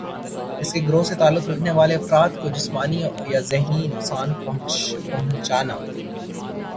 اس گروہ سے تعلق رکھنے والے افراد کو جسمانی یا ذہنی نقصان پہنچانا